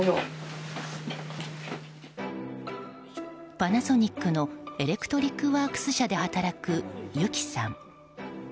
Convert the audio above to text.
パナソニックのエレクトリックワークス社で働くゆきさん。